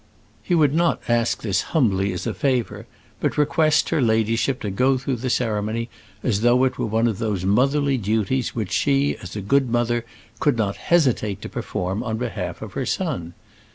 He would not ask this humbly, as a favour, but request her ladyship to go through the ceremony as though it were one of those motherly duties which she as a good mother could not hesitate to perform on behalf of her son.